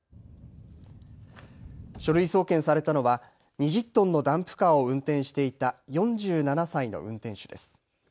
書類送検されたのは２０トンのダンプカーを運転していた４７歳の運転手です。